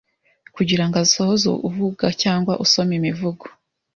kugirango asohoze uvuga cyangwa usoma imivugo